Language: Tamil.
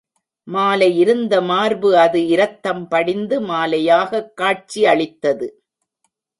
மாலை இருந்த மார்பு அது இரத்தம் படிந்து மாலையாகக் காட்சி அளித்தது.